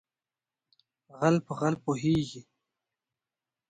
ـ غل په غل پوهېږي.